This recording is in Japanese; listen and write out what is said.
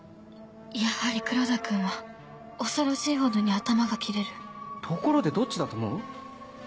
やはり黒田君は恐ろしいほどに頭が切れるところでどっちだと思う？